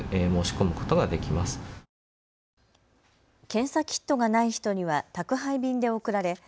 検査キットがない人には宅配便で送られ